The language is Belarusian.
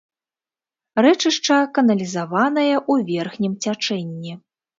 Рэчышча каналізаванае ў верхнім цячэнні.